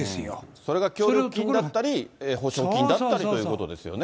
それが協力金だったり、補償金だったりということですよね。